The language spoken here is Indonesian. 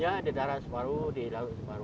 ya di darat sebaru di laut sebaru